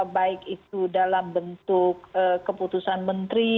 baik itu dalam bentuk keputusan menteri